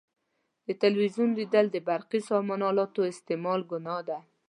د تلویزیون لیدل او برقي سامان الاتو استعمال ګناه ده.